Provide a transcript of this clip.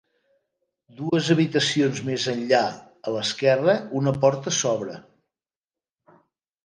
Dues habitacions més enllà, a l'esquerra, una porta s'obre.